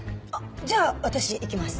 じゃあ私いきます。